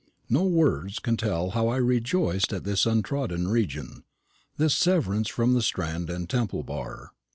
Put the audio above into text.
No words can tell how I rejoiced in this untrodden region this severance from the Strand and Temple Bar.